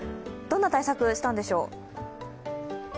どんな対策したんでしょう？